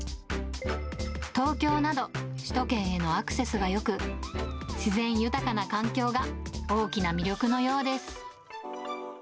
東京など、首都圏へのアクセスがよく、自然豊かな環境が大きな魅力のようです。